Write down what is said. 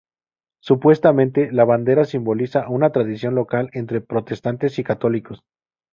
Supuestamente, la bandera simboliza una tradición local entre protestantes y católicos.